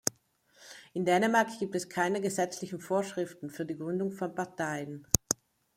In Dänemark gibt es keine gesetzlichen Vorschriften für die Gründung von Parteien.